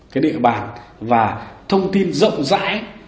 cái địa bàn và thông tin rộng rãi